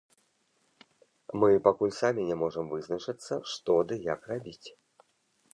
Мы пакуль самі не можам вызначыцца што ды як рабіць.